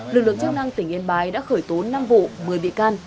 lực lượng chức năng tỉnh yên bái đã khởi tố năm vụ một mươi bị can